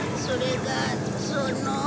それがその。